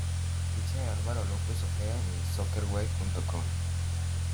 Ficha de Álvaro López Ojeda en Soccerway.com